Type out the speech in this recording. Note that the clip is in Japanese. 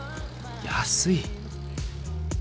安い。